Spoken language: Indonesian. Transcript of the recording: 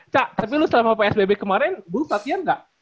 ca tapi lu selama psbb kemarin bos latihan nggak